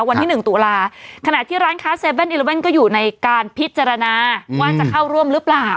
วันที่หนึ่งตุลาขณะที่ร้านค้า๗๑๑ก็อยู่ในการพิจารณาว่าจะเข้าร่วมหรือเปล่า